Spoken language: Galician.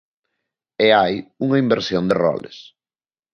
E hai unha inversión de roles.